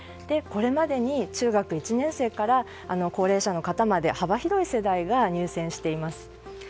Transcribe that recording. これまでに中学１年生から高齢者の方まで幅広い世代が入選しています。